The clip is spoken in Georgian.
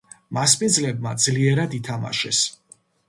მასპინძლებმა ძლიერად ითმაშეს.